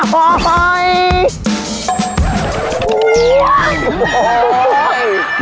โอ้โหโอ้โหโอ้โหโอ้โหโอ้โหโอ้โหโอ้โหโอ้โหโอ้โห